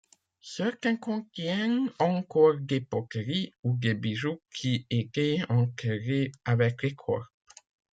Certaines contiennent encore des poteries ou des bijoux qui étaient enterrés avec les corps.